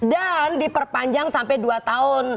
dan diperpanjang sampai dua tahun